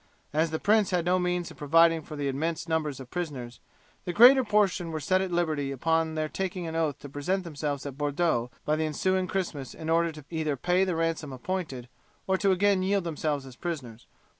As the prince had no means of providing for the immense number of prisoners, the greater portion were set at liberty upon their taking an oath to present themselves at Bordeaux by the ensuing Christmas in order either to pay the ransom appointed, or to again yield themselves as prisoners.